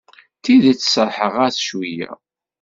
D tidet serrḥeɣ-as cweyya.